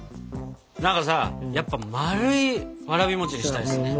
何かさやっぱまるいわらび餅にしたいですね。